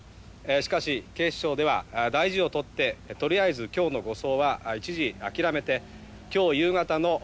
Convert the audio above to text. しかし警視庁では大事をとってとりあえず今日の護送は一時諦めて今日夕方の診断